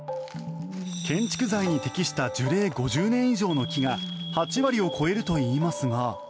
建築材に適した樹齢５０年以上の木が８割を超えるといいますが。